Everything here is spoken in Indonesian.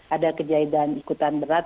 ada kejadian ikutan berat